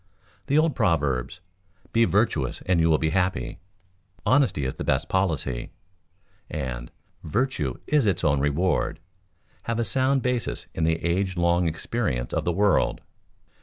The old proverbs, "Be virtuous and you will be happy," "Honesty is the best policy," and "Virtue is its own reward," have a sound basis in the age long experience of the world.